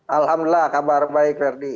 alhamdulillah kabar baik verdi